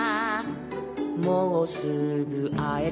「もうすぐあえる」